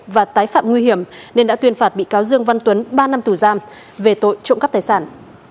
và tái phạm nguy hiểm nên đã tuyên phạt bị cáo dương văn tuấn ba năm tù giam về tội trộm cắp tài sản